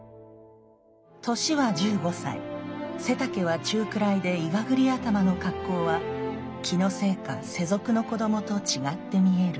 「年は１５歳背丈は中くらいでいが栗頭の格好は気のせいか世俗の子どもと違って見える」。